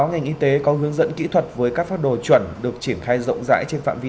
ngành y tế có hướng dẫn kỹ thuật với các pháp đồ chuẩn được triển khai rộng rãi trên phạm vi